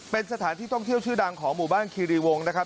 เป็นสถานที่ท่องเที่ยวชื่อดังของหมู่บ้านคีรีวงนะครับ